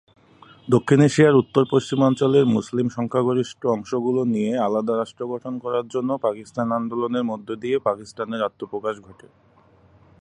দক্ষিণ এশিয়ার উত্তর-পশ্চিমাঞ্চলের মুসলিম সংখ্যাগরিষ্ঠ অংশ গুলো নিয়ে আলাদা রাষ্ট্র গঠন করার জন্য পাকিস্তান আন্দোলনের মধ্য দিয়ে পাকিস্তানের আত্মপ্রকাশ ঘটে।